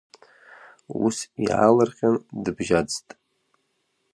Ус иаалырҟьан дыбжьаӡт.